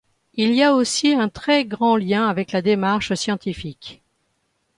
Il y a aussi un très grand lien avec la démarche scientifique.